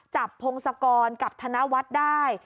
พงศกรกับธนวัฒน์ได้